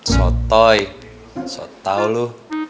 sotoy sotau lu